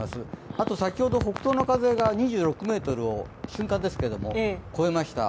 あと先ほど北東の風が２６メートルを瞬間ですけども超えました。